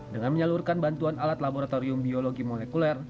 dengan menyalurkan bantuan alat laboratorium biologi molekuler